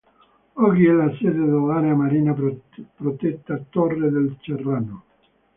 Oggi è la sede dell'Area Marina Protetta Torre del Cerrano.